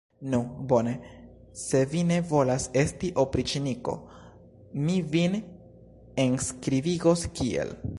Nu, bone, se vi ne volas esti opriĉniko, mi vin enskribigos kiel.